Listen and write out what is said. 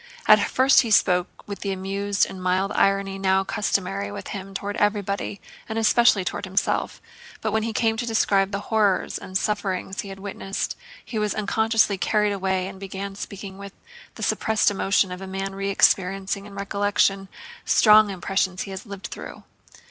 At first he spoke with the amused and mild irony now customary with him toward everybody and especially toward himself, but when he came to describe the horrors and sufferings he had witnessed he was unconsciously carried away and began speaking with the suppressed emotion of a man re experiencing in recollection strong impressions he has lived through.